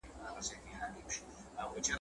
که خوب له وحيو سره موافقت درلود، نو د عمل وړ دی.